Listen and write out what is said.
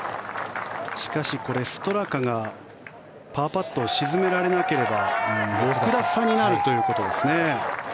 しかし、これ、ストラカがパーパットを沈められなければ６打差になるということですね。